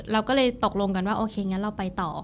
เราก็เลยตกลงกันว่าโอเคงั้นเราไปต่อ